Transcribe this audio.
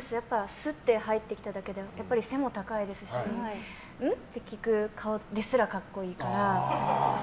スッて入ってきただけで背も高いですしん？って聞く顔ですら格好いいから。